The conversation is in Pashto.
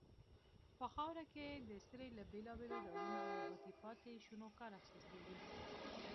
په خاوره کې د سرې له بیلابیلو ډولونو او نباتي پاتې شونو کار اخیستل.